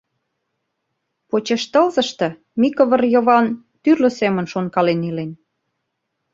Почеш тылзыште Микывыр Йыван тӱрлӧ семын шонкален илен.